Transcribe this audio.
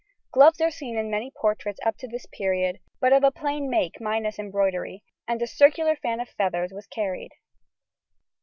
Gloves are seen in many portraits up to this period, but of a plain make minus embroidery, and a circular fan of feathers was carried.